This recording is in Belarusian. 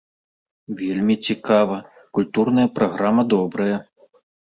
Вельмі цікава, культурная праграма добрая.